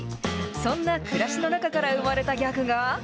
そんな暮らしの中から生まれたギャグが。